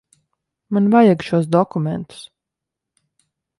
Man vajag šos dokumentus.